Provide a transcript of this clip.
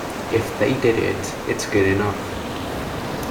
If they did it, it's good enough.